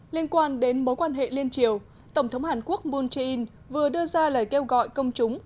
liên quan đến mối quan hệ liên triều tổng thống hàn quốc moon jae in vừa đưa ra lời kêu gọi công chúng